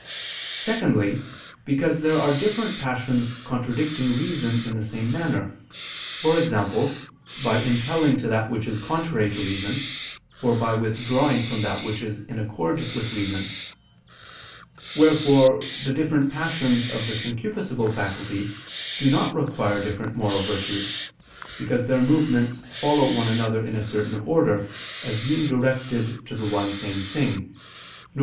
Secondly, because there are different passions contradicting reason in the same manner, e.g. by impelling to that which is contrary to reason, or by withdrawing from that which is in accord with reason. Wherefore the different passions of the concupiscible faculty do not require different moral virtues, because their movements follow one another in a certain order, as being directed to the one same thing, viz.